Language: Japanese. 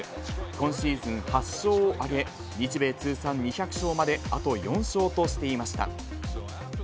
今シーズン８勝を挙げ、日米通算２００勝まであと４勝としていました。